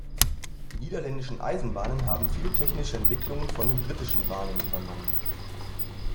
Die niederländischen Eisenbahnen haben viele technische Entwicklungen von den britischen Bahnen übernommen.